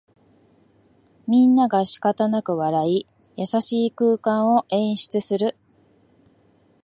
みんながしかたなく笑い、優しい空間を演出する